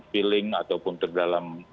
filling ataupun terdalam